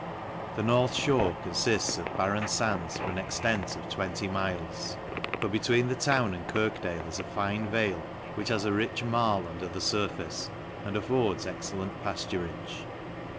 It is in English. The north fhore confifts of bar fen fands for an extent of 20 miles j but between the town and Kirkdale is a fine vale, which has a rich marie under the furface, and affords excellent paf turage.